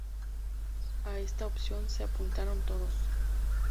A esta opción se apuntaron todos.